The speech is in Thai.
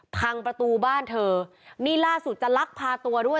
พังประตูบ้านเธอนี่ล่าสุดจะลักพาตัวด้วย